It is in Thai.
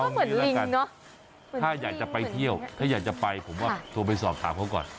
เหมือนกันถ้าอยากจะไปเที่ยวถ้าอยากจะไปผมว่าโทรไปสอบถามเขาก่อน